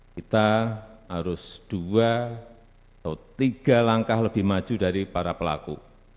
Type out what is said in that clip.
kita harus dua atau tiga langkah lebih maju dari para pelaku